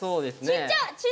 ちっちゃい。